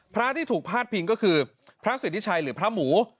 พระที่ถูกพาดพิงก็คือพระสิทธิชัยหรือพระหมู